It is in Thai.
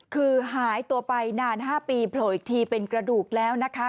คือหายตัวไปนาน๕ปีโผล่อีกทีเป็นกระดูกแล้วนะคะ